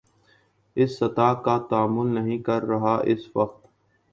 اس سطح کا تعامل نہیں کر رہا اس وقت